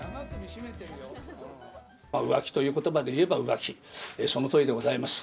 浮気ということばでいえば浮気、そのとおりでございます。